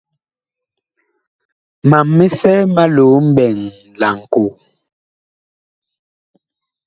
Mam misɛ ma loo mɓɛɛŋ laŋkoo.